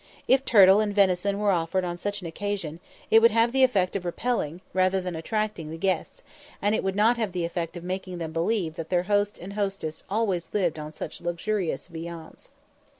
If turtle and venison were offered on such an occasion, it would have the effect of repelling, rather than attracting, the guests, and it would not have the effect of making them believe that their host and hostess always lived on such luxurious viands.